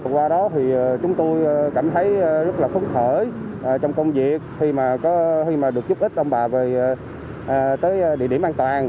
qua đó thì chúng tôi cảm thấy rất là phấn khởi trong công việc khi mà được giúp ích ông bà về tới địa điểm an toàn